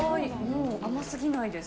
甘すぎないです。